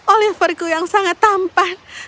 oliverku yang sangat tampan